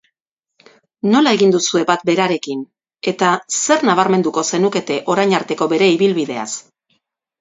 Nola egin duzue bat berarekin eta zer nabarmenduko zenukete orain arteko bere ibilbideaz?